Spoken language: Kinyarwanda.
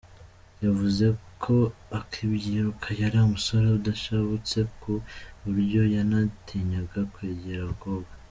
Yavuze ko akibyiruka yari umusore udashabutse ku buryo yanatinyaga kwegera abakobwa.